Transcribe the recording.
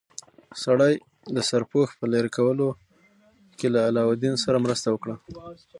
سړي د سرپوښ په لرې کولو کې له علاوالدین سره مرسته وکړه.